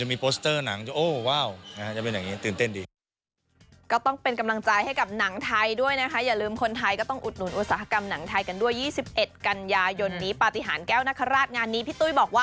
มีโปสเตอร์หนังจะโอ้ว้าวจะเป็นอย่างนี้ตื่นเต้นดี